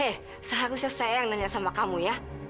eh seharusnya saya yang nanya sama kamu ya